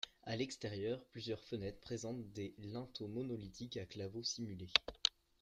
À l'extérieur, plusieurs fenêtres présentent des linteaux monolithiques à claveaux simulés.